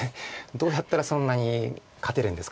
どうやったらそんなに勝てるんですかね。